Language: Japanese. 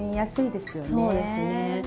そうですね。